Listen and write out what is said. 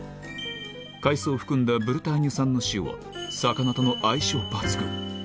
海藻を含んだブルターニュ産の塩は、魚との相性抜群。